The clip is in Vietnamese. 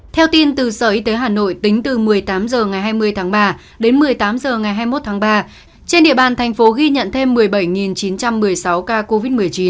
theo tin từ sở y tế hà nội tính từ một mươi tám h ngày hai mươi tháng ba đến một mươi tám h ngày hai mươi một tháng ba trên địa bàn thành phố ghi nhận thêm một mươi bảy chín trăm một mươi sáu ca covid một mươi chín